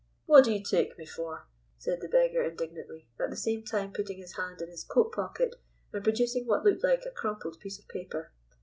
"What do you take me for?" said the beggar indignantly, at the same time putting his hand in his coat pocket and producing what looked like a crumpled piece of paper.